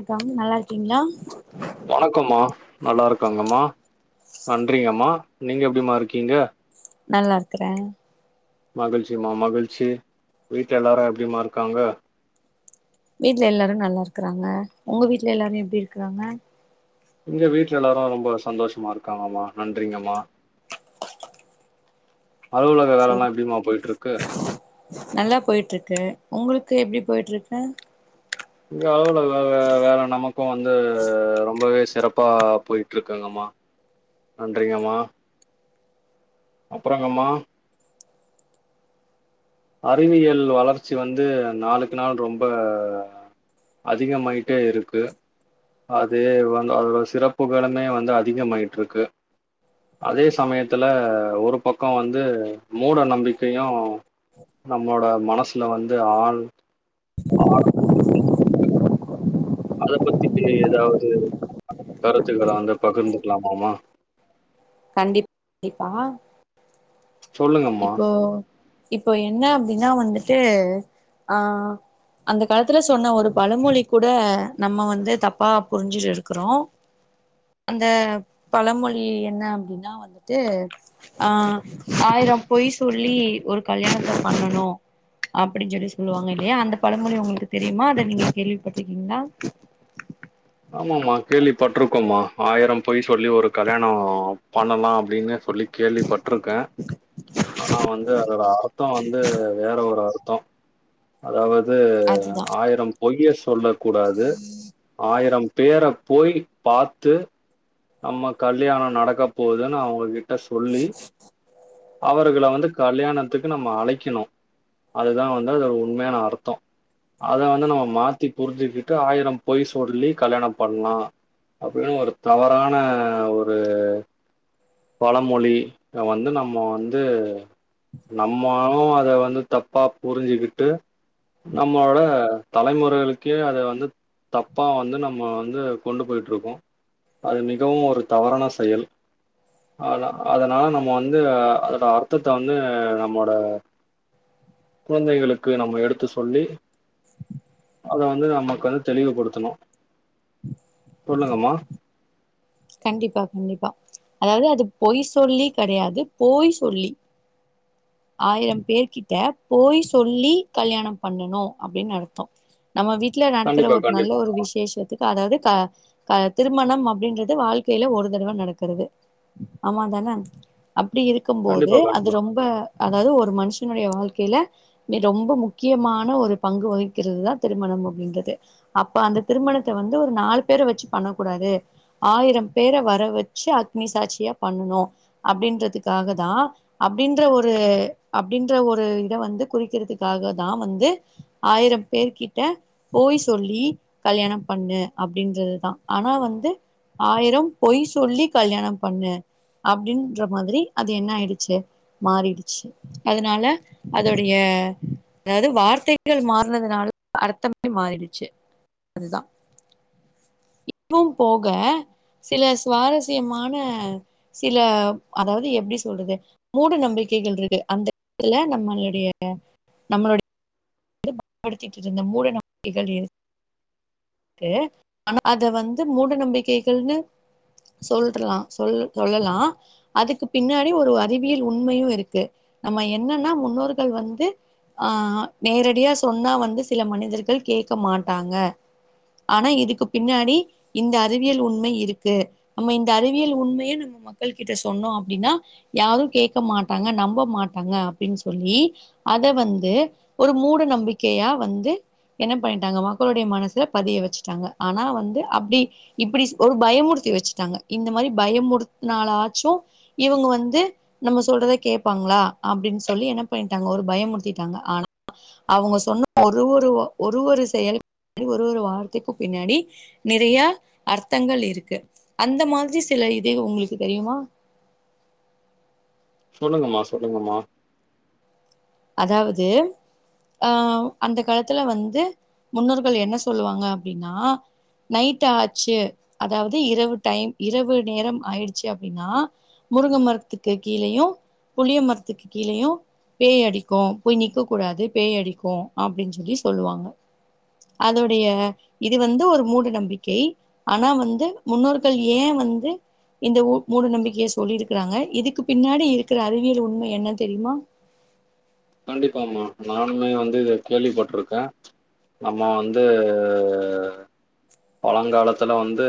அக்காவ் நல்லா இருக்கீங்ளா. இருக்கங்கம்மா நன்றிங்கம்மா நீங்க எப்டிமா இருக்கீங்க. நல்லா இருக்கறே. மகிழ்ச்சிமா மகிழ்ச்சி வீட்ல எல்லாரு எப்டிமா இருக்காங்க. வீட்ல எல்லாரு நல்லா இருக்றாங்க உங்க வீட்டுல எல்லாரு எப்டி இருக்றாங்க. இங்க வீட்ல எல்லாரு ரொம்ப சந்தோஷ்மா இருக்காங்கம்மா நன்றிங்கம்மா. அலுவலக சரி வேலல்லா எப்டிமா போயிட்ருக்கு நல்லா போய்ட்ருக்கு. உங்களுக்கு எப்டி போய்ட்ருக்கு? இங்க அலுவல வே வேல நமக்கு ந்து ரொம்பவே சிறப்பா போய்ட்ருக்குங்கம்மா நன்றிங்கம்மா அப்பறங்கம்மா அறிவியல் வளர்ச்சி வந்து நாளுக்கு நாள் ரொம்ப அதிகமாயிட்டே இருக்கு அது வந் அதோ சிறப்புகளுமே வந்து அதிகமாயிட்ருக்கு அதே சமயத்துல ஒரு பக்கோ வந்து மூட நம்பிக்கையு நம்மோட மனசுல வந்து ஆள் [unintelligible] அத பத்தி ப்பே எதாவ்து [inaudible] கருத்துகளா அங்க பகிர்ந்துக்கலாமாமா கண்டிப் இப்பா சொல்லுங்கம்மா இப்ப என்ன அப்டின்னா வந்துட்டு ஆஹ் அந்த காலத்துல சொன்ன ஒரு பழமொழி கூட நம்ம வந்து தப்பா புரிஞ்சு இருக்கறோ அந்த பழமொழி என்ன அப்டின்னா வந்துட்டு ஆஹ் ஆயிரம் பொய் சொல்லி ஒரு கல்யாணத்த பண்ணனு அப்படிஞ்சொல்லி சொல்லுவாங் இல்லியா அந்த பழமொழி உங்களுக்கு தெரியுமா அத நீங்க கேள்விப்பட்ருக்கீங்களா ஆமாம்மா கேள்விப்பட்ருக்கோமா ஆயிரம் பொய் சொல்லி ஒரு கல்யாண பண்ணலா அப்டினு சொல்லி கேள்விபட்ருக்கே ஆனா வந்து அதோட அர்த்தோ வந்து வேற ஒரு அர்த்தோ அதாவ து அதுதா ஆயிரம் பொய்ய சொல்ல கூடாது அயிரம் பேர போய் பாத்து நம்ம கல்யாணோ நடக்க போகுதுன்னு அவங்க கி ட்ட சொல்லி அவருகள வந்து கல்யாணத்துக்கு நம்ம அழைக்கணு அது தா வந்து அதோட உண்மையான அர்த்தோ அத வந்து நம்ம மாத்தி புரிஞ்சுக்கிட்டு ஆயிரம் பொய் சொல்லி கல்யாணம் பண்லா அப்படினு ஒரு தவறா ன ஒரு பழமொழி [unintelligible] வந்து நம்ம வந்து நம்மோவு அத வந்து தப்பா புரிஞ்சுகிட்டு நம்மோட தலைமுறைகளுக்கே அத வந்து தப்பா வந்து நம்ம வந்து கொண்டு போய்ட்ருக்கோ அது மி கவு ஒரு தவறான செயல் அத அதனால நம்ம வந்து அதோட அர்த்தத்த வந்து நம்மோட குழந்தைகளுக்கு நம்ம எடுத்து சொல்லி அத வந்து நம்ம கொஞ்சோ தெளிவுபடுத்தனு சொல்லுங்கம்மா. கண்டிப்பா கண்டிப்பா அதாவது அது பொய் சொல்லி கெடையாது போய் சொல்லி ஆயிரம் பேர் கிட்ட போய் சொல்லி கல்யாணம் பண்ணனு அப்டின் அர்த்தோ நம்ம வீட்ல நடக்கிற கண்டிப்பா ஒரு நல்ல கண்டிப்பா ஒரு விசேஷத்துக்கு அதாவ்து க க திருமணம் அப்டின்ற து வாழ்க்கைல ஒரு தடவ நடக்கறது ஆமாந்தான அப்டி இருக்கும்போது கண்டிப்பா அது கண்டிப்பா ரொம்ப அதாவ்து ஒரு மன்ஷனுடைய வாழ்க்கைல மி, ரொம்ப முக்கியமான ஒரு பங்கு வகிக்கிறதுதா திருமணம் அப்டின்றது அப்ப அந்த திருமணத்த வந்து ஒரு நாலு பேர வெச்சு பண்ணக்கூடாது ஆயிரம் பேர வர வச்சு அக்னிசாட்சியா பண்ணனு அப்டின்றதுக்காக தா அப்டின்ற ஒரு அப்டின்ற ஒரு இத வந்து குறிக்கிறதுக்காக தா வந்து ஆயிரம் பேர் கிட்ட போய் சொல்லி கல்யாணம் பண்ணு அப்டின்றதுதா ஆனா வந்து ஆயிரம் பொய் சொல்லி கல்யாணம் பண்ணு அப்டின்ற மாதிரி அது என்ன ஆயிடுச்சு மாறிடுச்சு அதனால அதோடைய அதாவ்து வார்த்தைகள் மாறுனதுனால அர்த்தமே மாறிடுச்சு அதுதா [inaudible] போக சில சுவாரஸ்யமான சில அதாவது எப்டி சொல்றது மூட நம்பிக்கைகள்ருக்கு அந்த [inaudible] நம்மளுடைய நம்மளுடை [inaudible] மூடநம்பிக்கைகள் இருக்கு ஆனா அத வந்து மூட நம்பிக்கைகள்னு சொல்ட்றாலா சொல் சொல்லலா அதுக்கு பின்னாடி ஒரு அறிவியல் உண்மையு இருக்கு நம்ம என்னனா முன்னோர்கள் வந்து ஆ நேரடியா சொன்னா வந்து சில மனிதர்கள் கேக்க மாட்டாங்க ஆனா இதுக்கு பின்னாடி இந்த அறிவியல் உண்மை இருக்கு நம்ம இந்த அறிவியல் உண்மையே நம்ம மக்கள் கிட்ட சொன்னோ அப்டினா யாரு கேக்க மாட்டாங்க நம்ப மாட்டாங்க அப்டின் சொல்லி அத வந்து ஒரு மூட நம்பி நம்பிக்கையா வந்து என்ன பண்ணிட்டாங்க மக்களுடைய மனஸ்ல பதிய வச்சுட்டாங்க ஆனா வந்து அப்டி இப்டி ஒரு பயமுறுத்தி வச்சுட்டாங்க இந்த மாரி பயமுறுத்தினாலாச்சு இவங்க வந்து நம்ம சொல்றத கேப்பாங்ளா அப்டின் சொல்லி என்ன பண்ணிட்டாங்க ஒரு பயமுறுத்திட்டாங்க ஆனா அவுங்க சொன்னா ஒரு ஒரு ஒரு ஒரு செயலுக்கு பின்னாடி ஒரு ஒரு வார்த்தைக்கு பின்னாடி நிறைய அர்த்தங்கள் இருக்கு அந்த மாதிரி சில இது உங்குளுக்கு தெரியுமா சொல்லுங்கம்மா சொல்லுங்கம்மா அதாவது ஆ அந்த காலத்துல வந்து முன்னோர்கள் என்ன சொல்லுவாங்க அப்டின்னா நைட் ஆச்சு அதாவது இரவு டைம் இரவு நேரம் ஆயிடுச்சு அப்டின்னா முருங்க மரத்துக்கு கீழேயையு புளிய மரத்துக்கு கீழேயையு பேய் அடி க்கு போய் நிக்க கூடாது பேய்டிக்கு அப்டின் சொல்லி சொல்லுவாங்க அதோடைய இது வந்து ஒரு மூட நம்பிக்கை ஆனா வந்து முன்னோர்கள் ஏ வந்து இந்த மூ-மூட நம்பிக்கையை சொல்லியிருக்கிறாங்க இதுக்கு பின்னாடி இருக்கிற அறிவியல் உண்மை என்ன தெரியுமா கண்டிப்பாமா நானுமே வந்து இத கேள்விப்பட்டுருக்கே நம்ம வந்து பலங்காலத்துல வந்து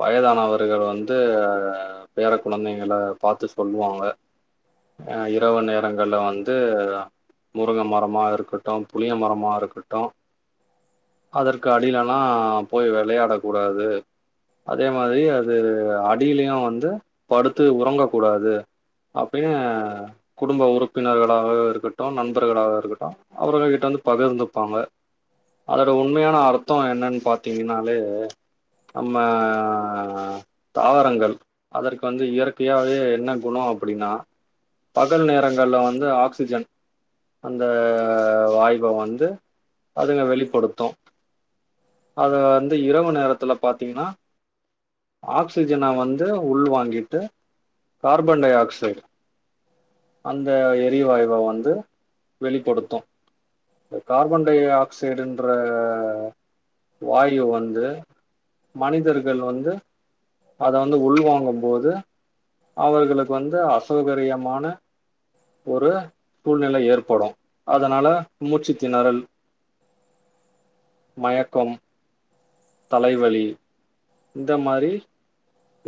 வயதானவர்கள் வந்து பேர குழந்தைங்க பாத்து சொல்லுவாங்க அ இரவு நேரங்கள்ல வந்து முருங்க மரமா இருக்கட்டு புளிய மரமா இருக்கட்டு அதற்கு அடிலல்லா போய் விளையாடக்கூடாது அதே மாதிரி அது அடியிலயு வந்து படுத்து உறங்கக்கூடாது அப்டின்னு குடும்ப உறுப்பினர்களாக இருக்கட்டு நண்பர்களாக இருக்கட்டு அவர்கள கிட்ட வந்து பகிர்ந்துப்பாங்க அதோட உண்மையான அர்த்தோ என்னன் பார்த் பாத்தீங்னாலே நம்ம தாவரங்கள் அதற்கு வந்து இயற்கையாவவே என்ன குணோ அப்டின்னா பகல் நேரங்கள்ல வந்து ஆக்சிஜன் அந்த வாய்வ வந்து அதுங்க வெளிப்படுத்து அத வந்து இரவு நேரத்துல பாத்தீங்ன்னா ஆக்சிஜனை வந்து உள்வாங்கிட்டு கார்பன் டை ஆக்சைடு அந்த எரிவாயுவ வந்து வெளிப்படுத்து இந்த கார்பன் டை ஆக்சைடுன்ற வாயு வந்து மனிதர்கள் வந்து அத வந்து உள் வாங்கும்போது அவர்களுக்கு வந்து அசௌகரியமான ஒரு சூழ்நிலை ஏற்படு அதனால மூச்சு திணறல் மயக்கம் தலைவலி இந்த மாரி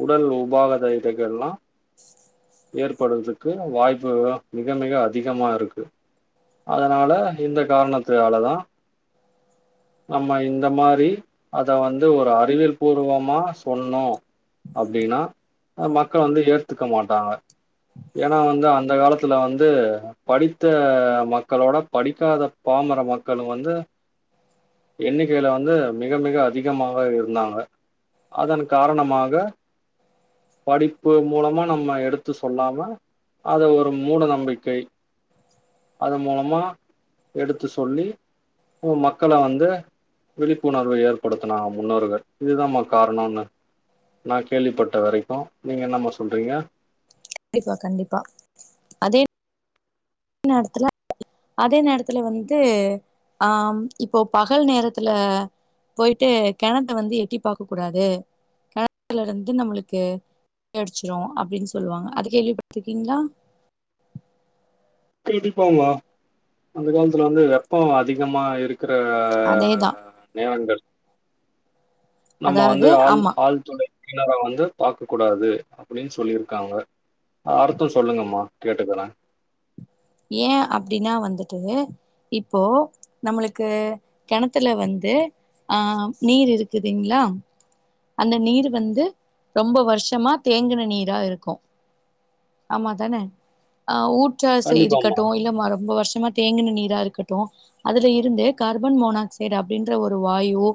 உடல் உபகத இதகள்ல்லா ஏற்படுறதுக்கு வாய்ப்பு மிக மிக அதிகமா இருக்கு அதனால இந்த காரணத்துனாலதா நம்ம இ ந்த மாரி அத வந்து ஒரு அறிவியல் பூர்வமா சொன்னோ அப்டினா அ மக்கள் வந்து ஏத்துக்க மாட்டாங்க ஏன்னா வந்து அந்த காலத்துல வந்து படித்த மக்களோட படிக்காத பாமர மக்களுங் வந்து என்னிக் கீல வந்து மிக மிக அதிகமாக இருந்தாங்க அதன் காரணமாக படிப்பு மூலமா நம்ம எடுத்து சொல்லாம அத ஒரு மூட நம்பிக்கை அதன் மூலமா எடுத்து சொல்லி போ மக்கள வந்து விழிப்புணர்வை ஏற்படுத்தினாங்க முன்னோர்கள் இதுதாமா காரணன்னு நா கேள்விப்பட்ட வரைக்கு நீங்க என்னம்மா சொல்றீங்க கண்டிப்பா கண்டிப்பா அதே [inaudible] அதே நேரத்துல வந்து அ ம் இப்போ பகல் நேரத்துல போய்ட்டு கெணத்த வந்து எட்டி பாக்க கூடாது கெணத்துல இருந்து நம்மளுக்கு பேய் அடிச்சிரு அப்டின் சொல்லுவாங்க அது கேள்விப்பட்டுருக்கீங்களா கண்டிப்பா மா அந்த கால்த்துல வந்து வெப்போ அதிகமா இருக் க்குற அதேதா நேரங்கள் நம்ம வந்து அதாவது ஆள் ஆமா ஆள்துளை கெணற வந்து பாக்க கூடாது அப்டின் சொல்லியிருக்காங்க அர்த்தோ சொல்லுங்கம்மா கேட்டுக்கறே ஏ அப்டினா வந்துட்டு இப்போ நம்மளுக்கு கெணத்துல வந்து அ நீர் இருக்குதுங்களா அந்த நீரு வந்து ரொம்ப வருஷமா தேங்கின நீரா இருக்கு ஆமா தானே அ ஊ [unintelligible] கண்டிப்பாம்மா க்கட்டு இல்ல மா ரொம்ப வருஷமா தேங்குனு நீரா இருக்கட்டு அதுல இருந்து கார்பன் மோனாக்சைடு அப்டின்ற ஒரு வாயு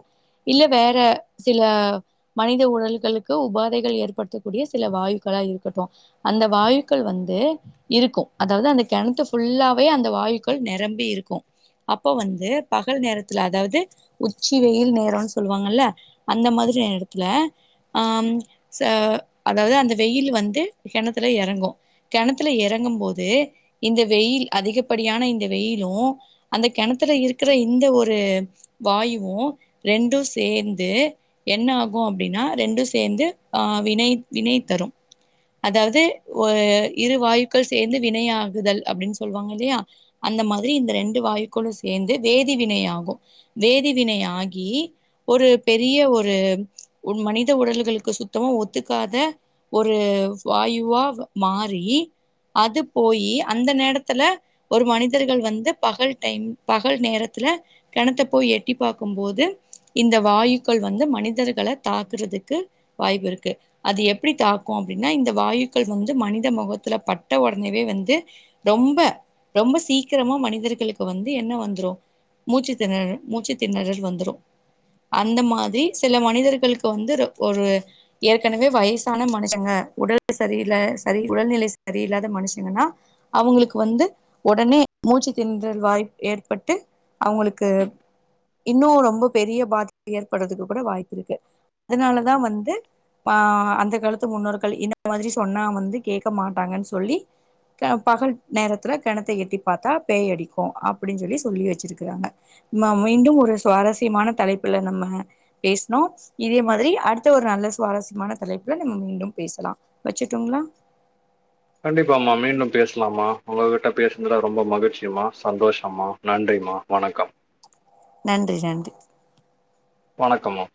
இல்ல வேற சில மனித உடல்களுக்கு உபாதைகள் ஏற்படுத்தக்கூடிய சில வாயுக்களா இருக்கட்டு அந்த வாயுக்கள் வந்து இருக்கு அதாவ்து அந்த கெணத்து ஃபுல்லாவே அந்த வாயுக்கள் நெரம்பி இருக்கு அப்போ வந்து பகல் நேரத்துல அதாவ்து உச்சி வெயில் நேரோ சொல்லுவாங்கல்ல அந்த மாதிரி நேரத்துல ஆம் ச அதாவ்து அந்த வெயிலு வந்து கெணத்துல இறங்கும் கெணத்துல எறங்கும் போது இந்த வெயில் அதிகப்படியான இந்த வெயிலு அந்த கெணத்துல இருக்கிற இந்த ஒரு வாயுவு ரெண்டு சேந்து என்ன ஆகு அப்டின்னா ரெண்டு சேந்து ஆ வினை வினை தரு அதாவ்து ஒரு இரு வாயுக்கள் சேந்து வினைையாக [unintelligible] அப்டின் சொல்லுவாங்க இல்லையா அந்த மாதிரி இந்த ரெண்டு வாயுக்களு சேந்து வேதிவினை ஆகு வேதிவினை ஆகி ஒரு பெரிய ஒரு மனித உடல்களுக்கு சுத்தமா ஒத்துக்காத ஒரு வாயுவா அ மாறி அது போயி அந்த நேரத்தில ஒரு மனிதர்கள் வந்து பகல் டைம் பகல் நேரத்தில கெணத்த போய் எட்டி பாக்கும்போது இந்த வாயுக்கள் வந்து மனிதர்களை தாக்குறதுக்கு வாய்ப்பு இருக்கு அது எப்டி தாக்கு அப்டின்னா இந்த வாயுக்கள் வந்து மனித மொகத்தில பட்ட உடனேவே வந்து ரொம்ப ரொம்ப சீக்கிரமா மனிதர்களுக்கு வந்து என்ன வந்துரு மூச்சு திணறல் மூச்சு திணறல் வந்துரு அந்த மாதிரி சில மனிதர்களுக்கு வந்து இது ஒரு ஏற்கனவே வய்சான மனுஷங்க உடல் செரியில்ல செரி உடல்நிலை செரியில்லாத மனுஷங்கன்னா அவுங்களுக்கு வந்து உடனே மூச்சு திணறல் வாய்ப்பு ஏற்பட்டு அவங்களுக்கு இன்னு ரொம்ப பெரிய பாதிப்பு ஏற்படுறதுக்கு கூட வாய்ப்பு இருக்கு அதனாலதா வந்து ஆ அந்த காலத்து முன்னோர்கள் இந்தன்ன மாதிரி சொன்னா வந்து கேட்க மாட்டாங்கன்னு சொல்லி ப-பகல் நேரத்துல கெணத்தை எட்டி பாத்தா பேய் அடிக்கு அப்டின் சொல்லி சொல்லி வச்சிருக்கிறாங்க ம் மீண்டு ஒரு சுவாரஸ்யமான தலைப்புல நம்ம பேஸ்னோ இதே மாதிரி அடுத்த ஒரு நல்ல சுவாரஸ்யமான தலைப்புல நம்ம மீண்டும் பேசலா வச்சுட்டோங்ளா கண்டிப்பாமா மீண்டும் பேசலாமா உங்ககிட்ட பேசுனதுல ரொம்ப மகிழ்ச்சியமா சந்தோஷமா நன்றிமா வணக்கம் நன்றி நன்றி வணக்கம்மா